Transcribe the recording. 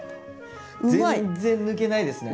全然抜けないですね。